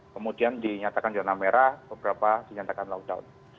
kemudian dinyatakan zona merah beberapa dinyatakan lockdown